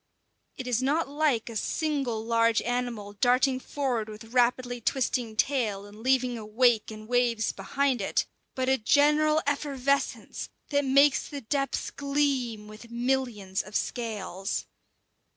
It is not like a single large animal darting forward with rapidly twisting tail, and leaving a wake and waves behind it; but a general effervescence that makes the depths gleam with millions of scales.